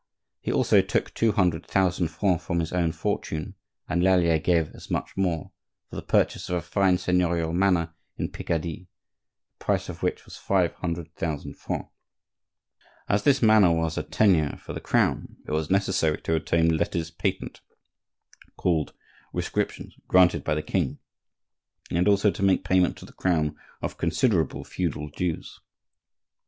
He also took two hundred thousand francs from his own fortune, and Lallier gave as much more, for the purchase of a fine seignorial manor in Picardy, the price of which was five hundred thousand francs. As this manor was a tenure from the Crown it was necessary to obtain letters patent (called rescriptions) granted by the king, and also to make payment to the Crown of considerable feudal dues.